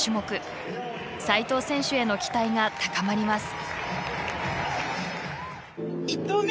齋藤選手への期待が高まります。